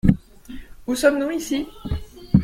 Où sommes-nous ici ?